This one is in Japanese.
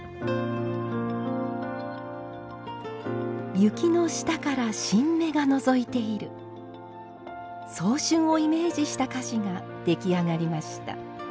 雪の下から新芽がのぞいている早春をイメージした菓子が出来上がりました。